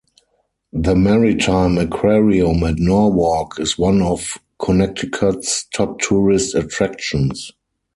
The Maritime Aquarium at Norwalk is one of Connecticut's top tourist attractions.